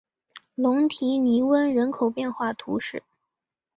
龙提尼翁人口变化图示